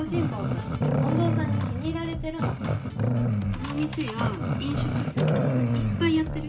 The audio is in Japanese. この店や飲食業なんかいっぱいやってる人。